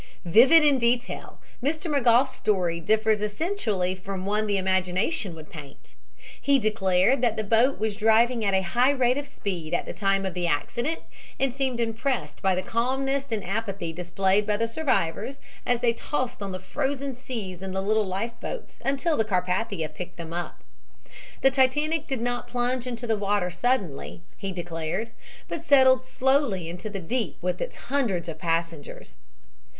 Vivid in detail, Mr. McGough's story differs essentially from one the imagination would paint. He declared that the boat was driving at a high rate of speed at the time of the accident, and seemed impressed by the calmness and apathy displayed by the survivors as they tossed on the frozen seas in the little life boats until the Carpathia picked them up. The Titanic did not plunge into the water suddenly, he declared, but settled slowly into the deep with its hundreds of passengers.